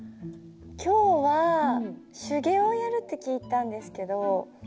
今日は手芸をやるって聞いたんですけど。